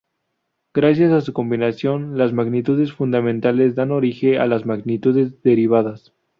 Gracias a su combinación, las magnitudes fundamentales dan origen a las magnitudes derivadas.